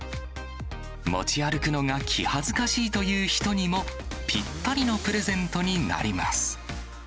持ち歩くのが気恥ずかしいという人にもぴったりのプレゼントになります。